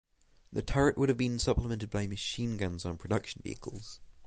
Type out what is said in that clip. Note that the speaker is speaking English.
The turret would have been supplemented by machine guns on production vehicles.